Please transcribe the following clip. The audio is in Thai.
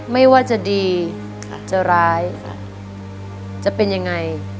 ไม่ว่าจะดีจะร้ายจะเป็นยังไง